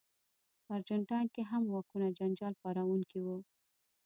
په ارجنټاین کې هم واکونه جنجال پاروونکي وو.